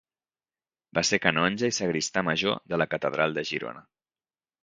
Va ser canonge i sagristà major de la catedral de Girona.